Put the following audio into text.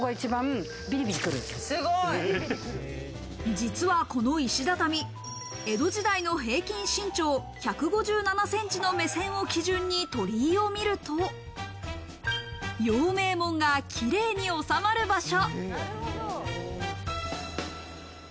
実はこの石畳、江戸時代の平均身長１５７ｃｍの目線を基準に鳥居を見ると、陽明門がキレイに収まる場所。